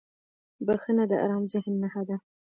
• بخښنه د آرام ذهن نښه ده.